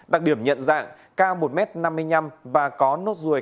đặc điểm nhận dạng cao một m năm mươi năm và có nốt ruồi